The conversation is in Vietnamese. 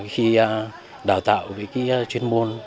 khi đào tạo với chuyên môn